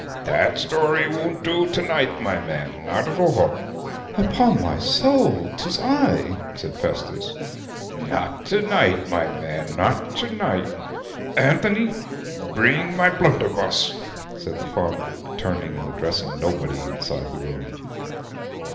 That story won't do to night, my man, not at all.' 'Upon my soul 'tis I,' said Festus. 'Not to night, my man; not to night! Anthony, bring my blunderbuss,' said the farmer, turning and addressing nobody inside the room.